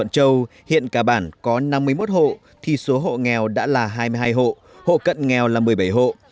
châu hiện cả bản có năm mươi một hộ thì số hộ nghèo đã là hai mươi hai hộ hộ cận nghèo là một mươi bảy hộ